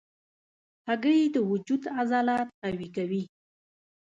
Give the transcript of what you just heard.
هګۍ د وجود عضلات قوي کوي.